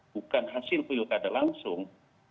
bukan hasil pilkada langsung